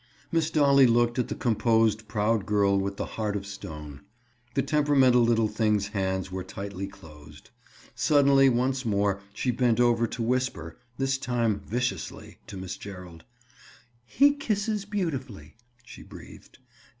Miss Dolly looked at the composed proud girl with the "heart of stone." The temperamental little thing's hands were tightly closed. Suddenly once more she bent over to whisper—this time viciously—to Miss Gerald. "He kisses beautifully," she breathed.